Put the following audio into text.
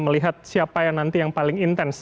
melihat siapa yang nanti yang paling intens